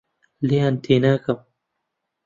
لێیان تێناگەم.